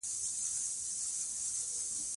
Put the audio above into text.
د افغانستان په منظره کې قومونه ښکاره ده.